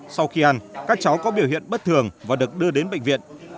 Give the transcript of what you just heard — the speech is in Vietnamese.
sau khi ăn các cháu có biểu hiện bất thường và được đưa đến bệnh viện